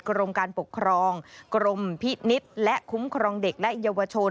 กรมการปกครองกรมพินิษฐ์และคุ้มครองเด็กและเยาวชน